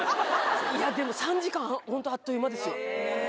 いやでも３時間本当あっという間ですよ。